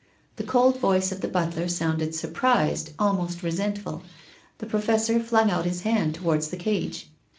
The cold voice of the butler sounded surprised, almost resentful. The Professor flung out his hand towards the cage.